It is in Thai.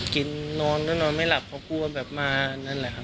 กินนอนก็นอนไม่หลับเขากลัวแบบมานั่นแหละครับ